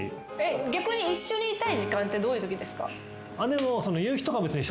逆に一緒にいたい時間ってどういうときですか？